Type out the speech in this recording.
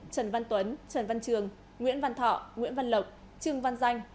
trần văn tuấn trần văn trường nguyễn văn thọ nguyễn văn lộc trương văn danh